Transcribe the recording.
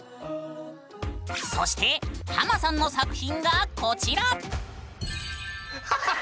そしてハマさんの作品がこちら！